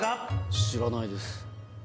知らないです。